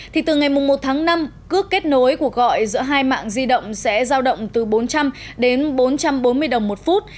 thì từ ngày một tháng năm cước kết nối cuộc gọi giữa hai mạng di động sẽ giao động từ bốn trăm linh đến bốn trăm bốn mươi đồng một phút